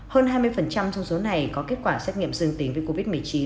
hơn hai mươi trong số này có kết quả xét nghiệm dương tính với covid một mươi chín